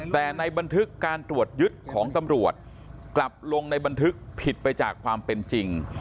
แต่ในบันทึกการตรวจยึดของตำรวจกลับลงในบันทึกผิดไปจากความเป็นจริง